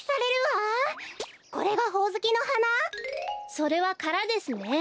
それはからですね。